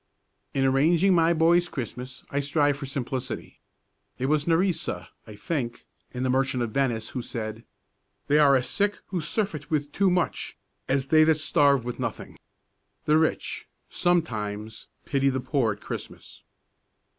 In arranging my boy's Christmas I strive for simplicity. It was Nerissa, I think, in the "Merchant of Venice," who said: "They are as sick who surfeit with too much, as they that starve with nothing." The rich sometimes pity the poor at Christmas.